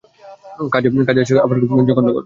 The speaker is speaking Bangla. কাজে আসে সবার যখন তখন!